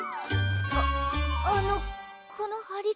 あっあのこのはり紙の。